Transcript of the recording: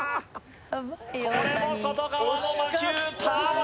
これも外側の魔球ターボ